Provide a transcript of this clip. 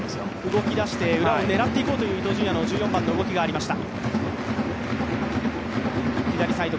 動き出して裏を狙っていこうという伊東純也の動きがありました。